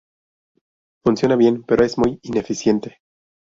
Funciona bien, pero es muy ineficiente.